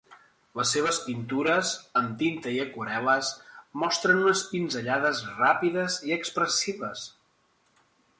Les seves pintures, amb tinta i aquarel·les, mostren unes pinzellades ràpides i expressives.